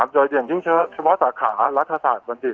โดยอย่างยิ่งเฉพาะสาขารัฐศาสตร์บัณฑิต